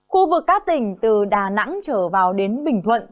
khu vực các tỉnh từ đà nẵng trở vào đến bình thuận